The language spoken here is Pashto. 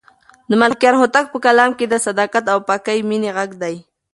د ملکیار هوتک په کلام کې د صداقت او پاکې مینې غږ دی.